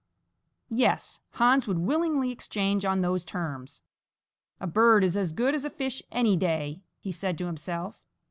Yes, Hans would willingly exchange on those terms. "A bird is as good as a fish any day," he said to himself.